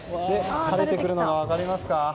垂れてくるのが分かりますか？